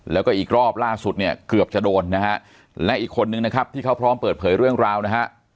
แล้วก็อีกรอบล่าสุดเนี่ยเกือบจะโดนนะฮะและอีกคนนึงนะครับที่เขาพร้อมเปิดเผยเรื่องราวนะฮะ